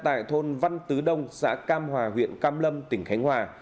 vụ việc xảy ra tại thôn văn tứ đông xã cam hòa huyện cam lâm tỉnh khánh hòa